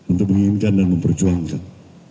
untuk menginginkan dan memperjuangkan